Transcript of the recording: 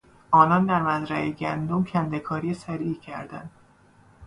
آنان در مزرعهی گندم کنده کاری سریعی کردند.